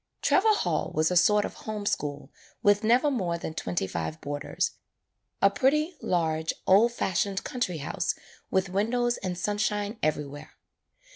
Trevor Hall was a sort of home school with never more than twenty five boarders, a pretty, large old fashioned country house with windows and sunshine everywhere.